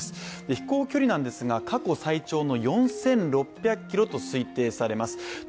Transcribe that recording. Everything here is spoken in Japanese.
飛行距離ですが、過去最長の４６００ｋｍと推定されます。